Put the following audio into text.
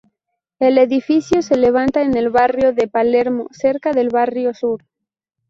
El edificio se levanta en el barrio de Palermo, cerca del Barrio Sur.